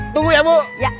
tunggu ya bu